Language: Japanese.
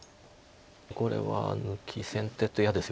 これは抜き先手って嫌ですよね。